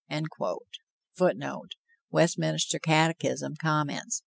[Footnote: Westminster Catechism, Comments.